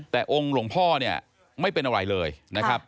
แต่องค์หลวงพ่อเนี่ยไม่เป็นอะไรเลยนะครับ